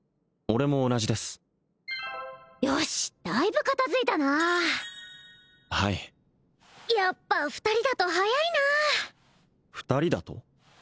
俺も同じですよしだいぶ片づいたなはいやっぱ２人だと早いな２人だと？